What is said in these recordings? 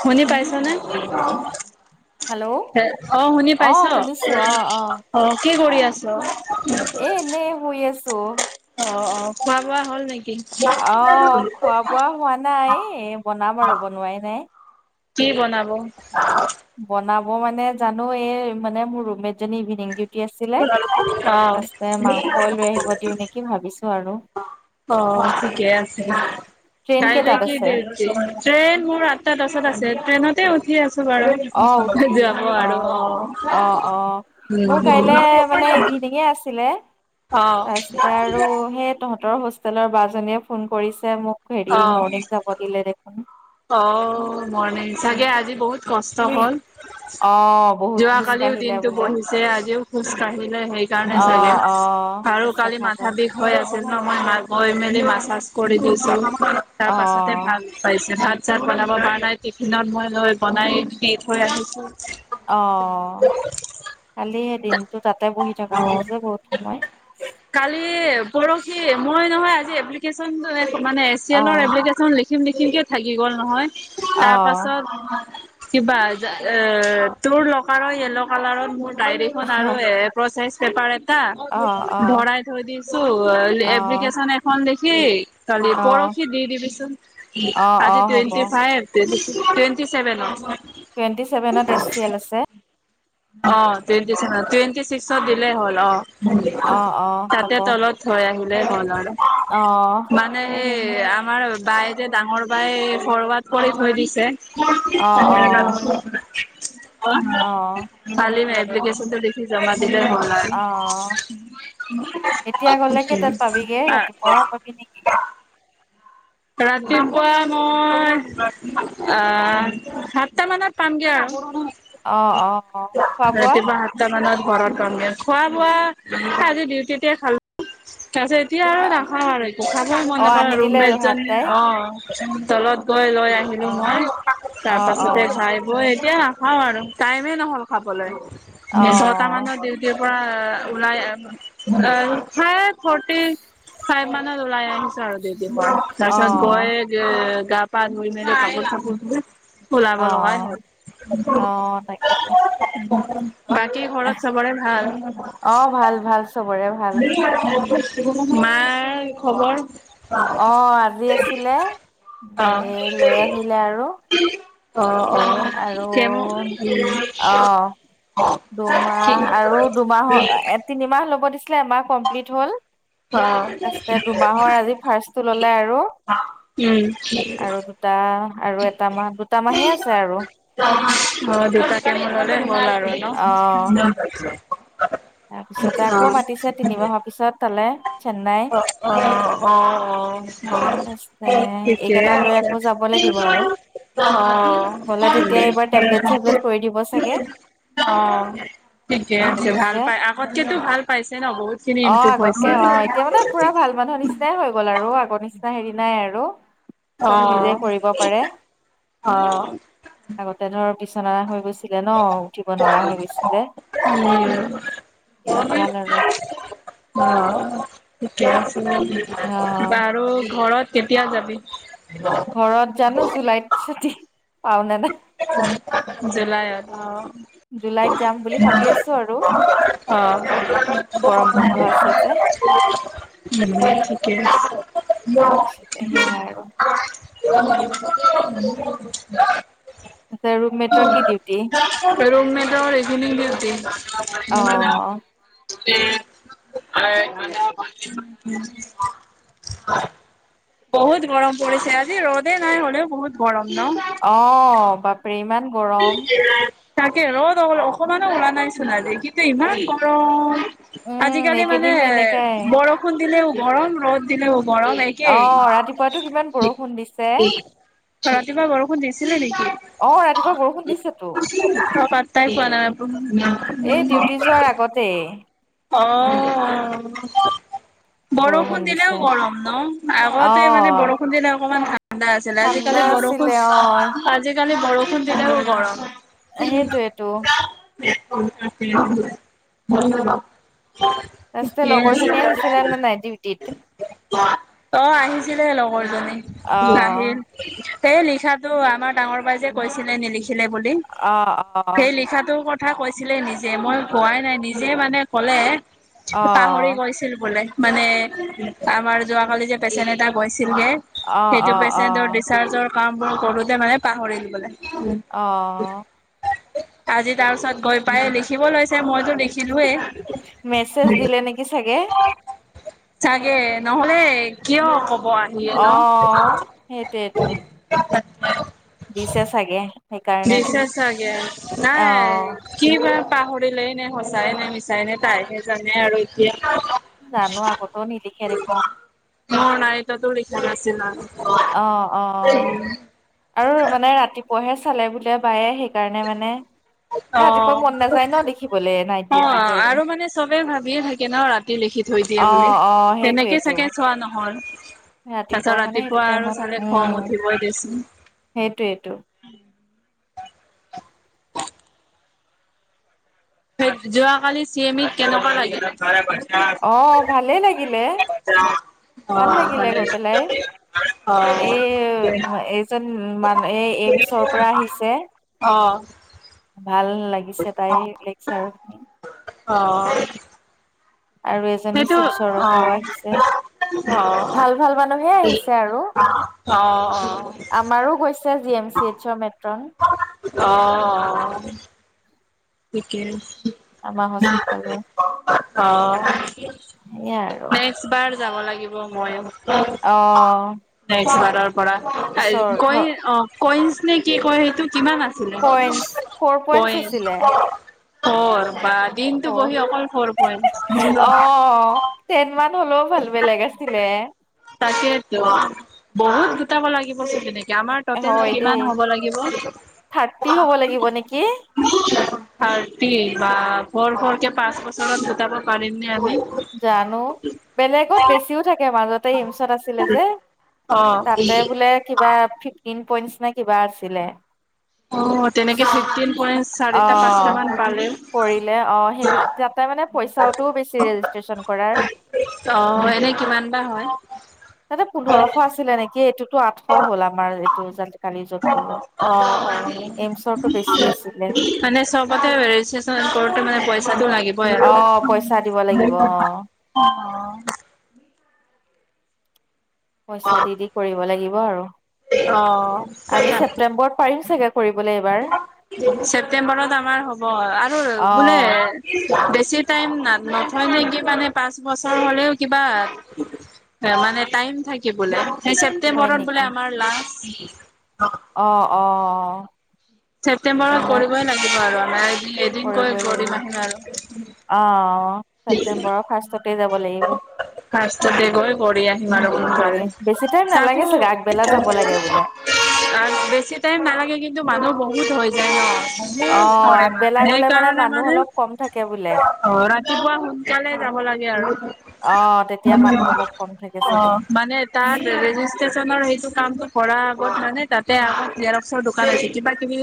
শুনি পাইছানে? হেল্ল' অ' শুনি পাইছ অ' শুনিছো অ' অ' কি কৰি আছ? এ এনে শুই আছো। অ খোৱা বোৱা হ'ল নেকি? অ' খোৱা বোৱা হোৱা নাই বনাম আৰু বনোৱাই নাই। কি বনাব? বনাব মানে জানো এই মানে মোৰ ৰুমমেট জনি ইভিনিং আছিলে অ তাৰপিছতে মাংস লৈ আহিব দিওঁ নেকি ভাবিছো আৰু অ' ঠিকেই আছে। ট্ৰেইন কাইলৈ কেইটাত কি আছে [unintelligible] ট্ৰেইন মোৰ আঠটা দশতাত আছে ট্ৰেইনতে উঠি আছো। বাৰু। আহ উঠি যাব আৰু আহ, অ আহ, অ', উম মোৰ কাইলে মানে ইভিনিঙে আছিলে। অ তাৰপিছতে আৰু সেই তহঁতৰ হস্তেলৰ বাজনিয়ে ফোন কৰিছে মোক হেৰি অ মৰ্ণিং যাব দিলে দেখোন। অ মৰ্নিং চাগে আজি বহুত কষ্ট হল। অ' বহুত খোজ যোৱাকালিও কাঢ়িলে দিনটো বোলে বহিছে আজিও খোজ কাঢ়িলে সেইকাৰণে চাগে। অ', অ', আৰু শস্য কালি মাথা ভাগৰ বিষ লাগে। হৈ আছিল ন। মই গৈ মেলি মাছচাছ কৰি দিছো তাৰ পাছতে অ', ভাল পাইছে ভাত ভাত বনাব পৰা নাই টিফিনত মই লৈ বনাই দি থৈ আহিছো। অ কালি সেই দিনটো তাতে বহি থকা হ'ল অ'। যে বহুত সময়। কালি পৰহি মই নহয় আজি এপ্লিকেশ্বন মানে এ চি এলৰ অ', এপ্লীকেচন লেখিম লেখিমকে থাকি গ'ল নহয় তাৰ অ', পিছত কিবা এ তোৰ লকাৰত য়েল্লো কালাৰত মোৰ ডায়ৰিখন আৰু অ', প্ৰচেচ পেপাৰ এটা অ', অ', ভৰাই থৈ দিছো অ', এপ্লিকেশচন এখন দেখি তি অ', পৰহশী দি দিবিচোন অ', আজি হ'ব টুৱেণ্টি ফাইভ টুৱেণ্টি চেভেনত অ। টুৱেণ্টি ছেভেনত এছ চি এল আছে? অ টুৱেটি চেভেন টুৱেণ্টি ছিক্সত দিলেই হ'ল অ। অ', অ', হ'ব তাতে তলত থৈ আহিলে হল আৰু অ', মানে আহিম আমাৰ বাই যে ডাঙৰ বাই ফৰৱাৰ্ড কৰি থৈ দিছে অ', অ', অ', [unintelligible] খালি হ'ব এপ্লিকেশনটো লেখি জমা দিলে হ'ল আৰু। [inaudible] অ', এতিয়া গ'লে কেইটাত পাবিগে ৰাতিপুৱা পাবি নেকি? ৰাতিপুৱা মই আহ সাতটা মানত পামগে আৰু অ', অ', খোৱা বোৱা ৰাতিপুৱা সাতটা মানত। ঘৰত পাম দিয়া, খোৱা বোৱা আজি দিউটিতে খালো। এতিয়া আৰু নাখাওঁ আৰু একো খাব মন অ', নকৰে আনি আৰু ৰোম দিলে মেট ভাত জনী তাই অ তলত গৈ লৈ আহিলো অ'। মই তাৰ অ', পাছতে অ', খাই বৈ এতিয়া নাখাওঁ আৰু টাইমে নহল খাবলৈ ছটা অ', মানৰ ডিউটিত পৰা ওলাই আহ ফাইভ ফৰ্টি ফাইভ মানত ওলাই আহিছোঁ আৰু হয় তাৰপিছত গৈ অ', যে গা পা ধুই মেলি কাপোৰ চাপোৰ দ ওলাব লগাই অ', হ'ল। অ তাকেতো। বাকী ঘৰত চবৰে ভাল? অ', ভাল ভাল চবৰে ভাল মাৰ খবৰ আহ আজি আছিলে অ এই লৈ আহিলে আৰু অ', অ', আৰু কেমো উম, আহ দুমাহ আৰু দুমাহৰ তিনিমাহ ল'ব দিছিলে এমাহ কমপ্লিট হ'ল আছিলে দুমাহৰ আজি ফাৰ্ষ্টটো ললে আৰু আৰু দুটা উম আৰু এটা মাহ দুটা মাহে আছে। আৰু অ দুটা কে গলে হ'ল আৰু অ'। ন তাৰপিছতে আকৌ অ', মাতিছে তিনিমাহৰ পিছত তালে চেন্নাই অ', অ', অ', তাৰ ঠিকে এইকেইটা লৈ আছে। আকৌ যাব লাগিব আৰু অ গ'লে অ তেতিয়া এইবাৰ টেবলেট চেবলেট কৰি দিব চাগে ঠিকে তেনেকে আছে ভাল কৈছে পাই আগতকেতো ভাল পাইছে ন বহুত খিনি ইম্প্ৰুভ হৈছে। তাকে অ এতিয়া মানে পুৰা ভাল মানুহৰ নিচিনাই হৈ গ'ল আৰু আগৰ নিচিনা হেৰি নাই আৰু চব নিজে অ', কৰিব পাৰে অ', আগতে ধৰ উচনা [unintelligible] হৈ গৈছিলে ন উঠিব নোৱাৰা হৈ গৈছিলে উম, এয়া ভাল আৰু অ', ঠিকে আছে অ বাৰু ঘৰত কেতিয়া যাবি ঘৰত জানো জুলাইত ছুটি পাও নে নাই জুলাইত জুলাইত যাম বুলি ভাবি আছো আৰু অ গৰম বন্ধ আছে যে উম িকে তাৰপিছতে সেয়া আৰু [unintelligible] [unintelligible] আচ্ছা, ৰৰুম মেটৰ কি ডিউটি? ৰুম মেটৰ এইখিনি ডিউটি। অ হয় বহুত গৰম পৰিছে আজি ৰ'দে নাই হলেও বহুত গৰম ন আহ বাপৰে ইমান গৰম তাকে ৰদ অ অকমানো ওলা নাইছোন আজি কিন্তু ইমান গৰম উম, আজিকালি মানে এইকেইদিন এনেকাই। বৰষুণ দিলেও গৰম ৰ'দ দিলেও গৰম একেই। অ' ৰাতিপুৱাতো কিমান বৰষুণ দিছে। ৰাতিপুৱা বৰষুণ দিছিলে নেকি? অ' ৰাতিপুৱা বৰষুণ দিছেতো। ত পাতটাই পোৱা নাইাই এই ডিউটি ধন যোৱাৰ [unintelligible] আগতেই অ' বৰষুণ দিলেও গৰম ন, আগতে মানে অ' বৰষুণ দিলে অকমান ঠাণ্ডা আছিল। ঠাণ্ডা আজিকালি আছিলে অ'। বৰষুণ আজিকালি বৰষুণ তেনেও গৰম। সেইতোৱেইটো। ধনবা [unintelligible] ঠিকেই আছে। নাইট ডিউটিত। অ' আহিছিলে লগৰ জনী, অ' নাহিল। সেই লিখাটো আমাৰ ডাঙৰ বাইদেওৱে কৈছিলে নিলিখিলে বুলি, অ' সেই লিখাটো ক'ত। কথা কৈছিলে নিজে, মই কোৱাই নাই, নিজে মানে কলে অ' অ' পাহৰি গৈছিল বোলে। মানে আমাৰ যোৱাকালি যে পেচেণ্ট এটা গৈছে ছিলগে অ' সেইটো অ' পেচেণ্টৰ অ' ডিচাৰ্জৰ কামবোৰ কৰোঁতে মানে পাহৰিল বোলে। অ' আজি তাৰ পিছত গৈ পাই লিখিব লৈছে, মইতো দেখি লোৱে মেছেজ দিলে নেকি চাগে? চাগে, নহলে কে কিয় ক'ব আহিয়ে ন। অ' সেইটোয়েতো দিছে ছাগে। দিছে ছাগে, নাই অ' কি বা। পাহৰিলে নে সঁচাই নে মিছাই নে তাইহে জানে আৰু এতিয়া। জানো আগতেও নিলিখে দেখোন। এটিয়াতো লিখা নাছিল না। অ' অ', ঔ মানে ৰাতিপুৱা কৈহে চালে বোলে বায়ে, সেইকাৰণে মানে ৰাতিপুৱা মন অ' নাযায় ন লিখিবলে নাইট অ' ডিউটিত আৰু মানে চবে ভাবিয়ে থাকে ন, ৰাতিলৈ লিখি থৈ দিয়ে অ বুলি, অ তেনেকে সেইটোয়েটো চাগে চোৱা নহল। তাৰ পিছত মানে সেইটো ৰাতিপুৱা আৰু চালে খং উঠিবই দে চোন। সেইটোইটো। সেই যোৱাকালি চি এমিত কেনেকুৱা লাগিলে? অ' ভালেই লাগিলে ভাল অ', লাগিলে ভালে গৈ পেলাই। এ অ', এজন মান এই এইমচৰ পৰা আহিছে অ', ভাল লাগিছে তাই লেক্সছাৰত শুনি। অঁ আৰু এজনী শিলচৰৰ সেইটো পৰাও আহিছে অ' ভাল ভাল অ' মানুহে আহিছে আৰু অ' অ' আমাৰো গৈছে জি এম চি এইচৰ মেট্ৰন। অ'অ' ঠিকে আমাৰ হস্পিতেলৰ অ সেয়াই আৰু নেক্সট বাৰ যাব লাগিব মইয়ো অ' নেক্সট বাৰৰ পৰা ওচৰত কই অ কইনছ নে কি কয় সেইটো কিমান আছিলে পইন্টচ ফ'ৰ পইন্টচ কইনছ আছিলে ফৌৰ বা দিনটো ফ'ৰ বহি অকল ফৌৰ পইনট অ' টেন মান হ'লেও ভাল বেলেগ আছিলে তাকেইতো, বহুত গোটাব লাগিব। তেনেকে আমাৰ টোটেল হয় কিমান দেই হ'ব লাগিব। থাৰ্টি হ'ব লাগিব নেকি থাৰ্টি বা ভৰ ভৰকে পাঁচ বছত গোটাব পাৰিম নে? আমি জানো, বেলেগত বেছিও থাকে, মাজত তে এইমছত আছিলে যে, অ তাতে বোলে কিবা ফ্ৰি টিন পইন্টচ নে কিবা আছিলে। অ তেনেকে ফিফটিন পইণ্ট চাৰিটা অ' পাঁচটা মান পালে কৰিলে অ সেইব তাতে মানে পইচাও বেছি ৰেজিষ্ট্ৰ অ এনে কিমান বা হয় তাতে পোন্ধৰশ আছিলে নেকি এইটোতো আঠশ হ'ল আমাৰ এইটো কালি অ টো বেছি আছিল মানে চবতে ৰেজিতেষ্টন কৰোতে মানে পইচাটো লাগিবই অ পইচা দিব লাগিব আৰু অ অ পইচা দি দি কৰিব লাগিব আৰু আমি ছেপ্তেম্বৰত পাৰিম চাগে। কৰিবলৈ এইবাৰ ছেপ্তেম্বৰত আমাৰ হ'ব আৰু অ বোলে বেছ বেছি টাইম ন নথয় নেকি মানে পাঁচ বছৰ হ'লেও কিবা মানে টাইম থাকে বোলে সেই হয় ছেপ্তেম্বৰত নেকি বোলে আমাৰ লাছ অ অ ছেপ্তেম্বৰৰত এইবিলাক কৰিবই লাগিব আৰু আমাৰ এদিন গৈ কৰিবই কৰিম আহিম আৰু লাগিব অ অ ছেপ্টেম্বৰৰ ফাৰ্ষ্টতে যাব লাগিব ফাষ্টতে গৈ কৰি আহিম আৰু কৰি সোনকালে বেছি টাইম তাত নালাগে চাগে আগবেলা যাব লাগে বোলে বেছি টাইম নালাগে কিন্তু মানুহ বহুত হৈ যায় ন সোব অ [unintelligible] কৰে মানে আগবেলা গলে সেইকাৰণে মানুহ মানে অলপ কম থাকে বোলে অ পুৱা সোনকালে যাব লাগে আৰু অ তেতিয়া মানুহ অলপ কম থাকে অ চাগে মানে তাত ৰেজিষ্ট্ৰেচন হেইটো কামতো কৰাৰ আগত মানে তাতে আগত জেৰক্সৰ দোকান আছে কিবা কিবি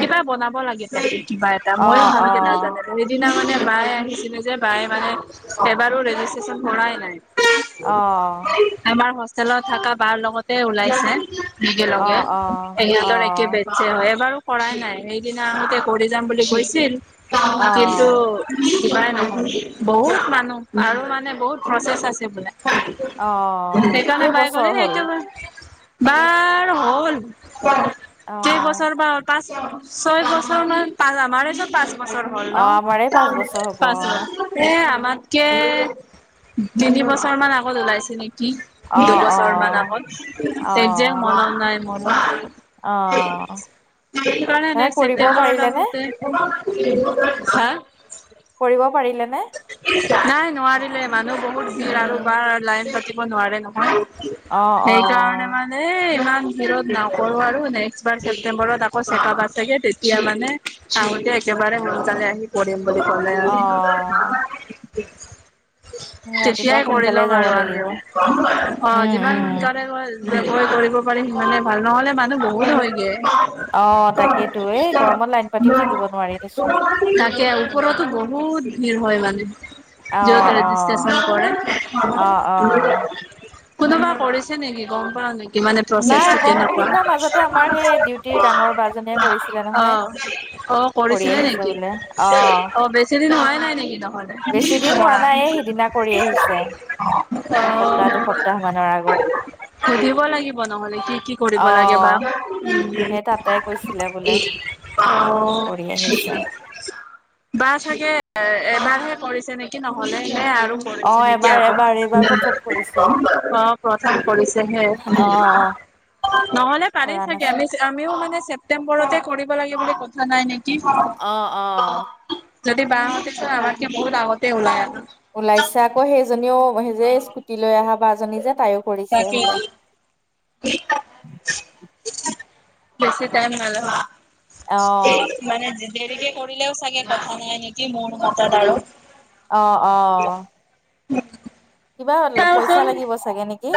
কিবা বনাব লাগে ত কিবা এটা ময়ো অ', ভালকে অ', নাজানো সেইদিনা মানে বায়ে আহিছিলে বাযে মানে এবাৰো ৰেজিতেষ্ট্ৰন কৰাই নাই অ', হোষ্টেলত থকা বাৰ লগতে ওলাইছে একেলগে অ', হিহঁতৰ একে অ', বেষ্ট হয় বাৰু কৰাই নাই সেইদিনা আহোতে কৰি যাম বুলি কৈছিল কিন্তু অ', কিবাই নহল বহুত মানুহ আৰু মানে বহুত প্ৰচেছ আছে বোলে অ', সেইকাৰণে বাই কেইবছৰ গ'লে হ'ল? একবাৰে বাৰ হ'ল অ', কেইবছৰ বাা পাঁচ ছয় বছৰ মান পাৰ আমাৰেচোন পাঁচ বছৰ হল ন অ', আমাৰে পাঁচ বছৰ হ'ব পচ অ', এ আমাতকে তিন বছৰ মান আগত ওলাইছিল নেকি কি দুবছৰমান অ', আগত আগজেক মনত নাই মনত অ সেইটো কাৰণে নেক্ট কৰিব ছেপ্টেম্বৰট পাৰিলেনে? আহোঁতে কৰিব পাৰিলেতো নাই নোৱাৰিলে মানুহ বহুত এ ভিৰ আৰু বাৰ লাইন পাতিব নোৱাৰে নহয় সেইকাৰণে অ', মানে ইাল ৰত নকৰো আৰু, নেক্সবাৰ ছেপটেম্বৰত আকৌ চেকআপ আছেগে তেতিয়া মানে আহোতে একেবাৰে সোনকালে আহি কৰিম বুলি ক'লে আৰু। অ'। [inaudible] ৰাতিপুৱা তেতিয়াই কৰি সোনকালে লম যাব আৰু লাগিব। আমিও। অ', যিমান সোনকালে গল বেবসায় কৰিব পাৰিম মানে। ভাল নহলে মানুহ বহুত হয়গে অ', তাকেইতো এই গৰমত লাইন পাতিও থাকিব নোৱাৰি দেচোন। তাকে ওপৰতো বহুত ভিৰ হয় মানে যত অ', অ', ৰেজিতেষ্ট্ৰন কৰে অ', অ'। কোনোবা কৰিছে নেকি গম পাঅ নেকি ইমানে নাই প্ৰচেছটো গম কেনেকা সিদিনা মাজতে আমাৰ সেই ডিউটিৰ ডাঙৰ বাজনীয়ে কৰিছিলে অ নহয়। অ কৰি কৰিছিলে আহিছে নেকি বোলে অহ অ বেছি দিন হোৱাই নাই নে সি নহলে। বেছি দিন হোৱা নাই এই সিদিনা কৰি আহিছে। [unintelligible] অ'। তাৰ আগত সুধিব লাগিব নহ'লে কি কি কৰিব লাগেবা। অহ সেই তাতে কৈছিলে বোলে অ'। কৰি আহিছে। বা চাগে এ-এবাৰহে কৰিছে নেকি নহলে। এ, আৰু অ কৰিছে নেকি এবাৰ এবাৰ আগত, এইবাৰ প্ৰথম কৰিছে অ', প্ৰথম কৰিছেহে। অ', অ'। নহ'লে পাৰেই কৰা চাগে, নাছিল। আমি আমিও মানে ছেপ্তেম্বৰতে কৰিব লাগে বুলি কথা নাই নেকি! অ অ যদি বাহঁত তই আমাতকে বহুত আগতে ওলাই আহা। ওলাইছে আকৌ সেইজনীও, সেই যে স্কুটি লৈ আহা বাজনী যে। তাইও কৰিছে তাকে বোলে। বেছি টাইম নাইলগা। অ এইমানে যে দেৰিকে কৰিলেও চাগে কথা নাই নেকি মোৰ মতা দাৰত। অ', অ'। কিবা পইচা লাগিব চাগে নেকি!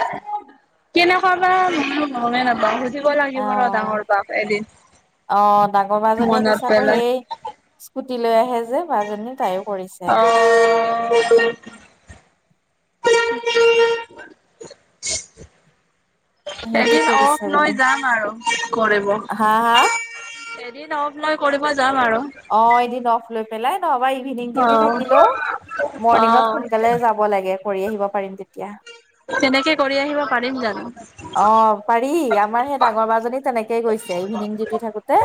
কেনেকুৱাবা ময়ো গমেই নাপাওঁ। সুধিব লাগিব ৰ অ ডাঙৰ বাক এদিন। অ', ডাঙৰ বাজনীয়ে মনত কৈছে আকৌ পেলাই সেই স্কুটি লৈ আহে যে বাজনী তায়ক। অ', [unintelligible] [inaudible] সিহঁতি এদিন অফ কৰিছে লৈ বোলে যাম আৰু, কৰিব। হা হা দিন অফ্ লৈ কৰিব যাম আৰু অ', এদিন অফ্ লৈ পেলাই। আমাৰ ইভিনিং ডিউটি অ' থাকিলেও, মৰ্ণিঙত অ' সোনকালে যাব লাগে। কৰি আহিব পাৰিম তেতিয়া। তেনেকে কৰি আহিব পাৰিম জানো! অ কেই কৈছে ইভিনিং ডিউটি থাকোতে-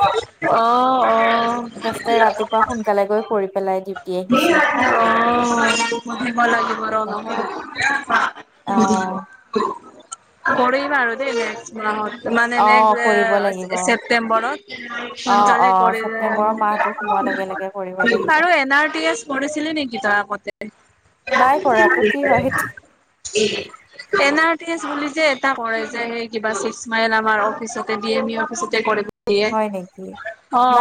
অ' অ' ফাৰ্ষ্টে ৰাতিপুৱা সোনকালে গৈ কৰি পেলাই ডিউটি আহিছে অ', সুধিব লাগিব ৰ তেনেকুৱা নহ'লে। অ [unintelligible] কৰিম আৰু দেই নেক্সট মাহত। মানে অ নেক্সট কৰিব লাগিব এ, ছেপ্তেম্বৰত, অ অ সোনকালে কৰি ছেপ্তেম্বৰৰ মাহটো সোমোৱাৰ লগে লগে কৰিব লাগিব। আৰু এন আৰ টি এছ পঢ়িছিলি নিকি তই আগতে? নাই কৰাটো কি হয় সেইটো [unintelligible] এ, এন আৰ টি এছ [unintelligible] যে, এটা কৰে যে, সেই কিবা ছিক্স মাইল আমাৰ অফিচতে বি এম ই অফিচতে কৰে যে। এয়াই, হয় নেকি অ'।